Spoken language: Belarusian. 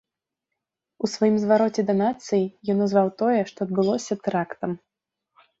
У сваім звароце да нацыі ён назваў тое, што адбылося тэрактам.